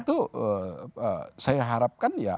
itu saya harapkan ya